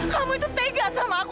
kamu itu tega sama aku